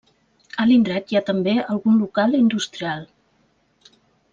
A l'indret hi ha també algun local industrial.